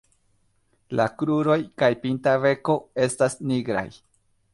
La kruroj kaj pinta beko estas nigraj.